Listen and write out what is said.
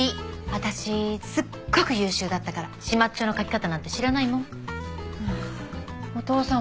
私すっごく優秀だったから始末書の書き方なんて知らないもん。